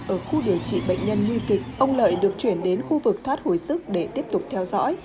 ở khu điều trị bệnh nhân nguy kịch ông lợi được chuyển đến khu vực thoát hồi sức để tiếp tục theo dõi